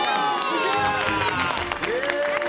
すごい！